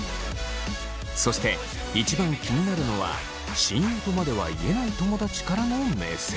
そして一番気になるのは親友とまでは言えない友達からの目線。